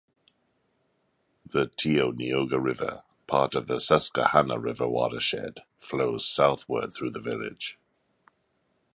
The Tioughnioga River, part of the Susquehanna River watershed, flows southward through the village.